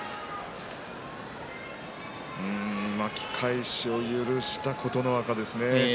巻き返しを許した琴ノ若ですね。